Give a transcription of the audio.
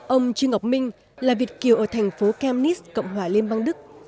ông trương ngọc minh là việt kiều ở thành phố kanis cộng hòa liên bang đức